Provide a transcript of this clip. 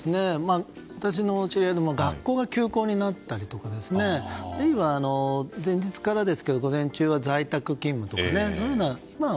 私の知り合いでも学校が休校になったり前日からですが午前中は在宅勤務ですとかそういうようなものが。